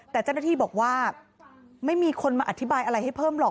แต่เจ้าหน้าที่บอกว่าไม่มีคนมาอธิบายอะไรให้เพิ่มหรอก